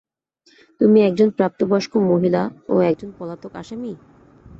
তুমি একজন প্রাপ্তবয়স্ক মহিলা ও একজন পলাতক আসামি?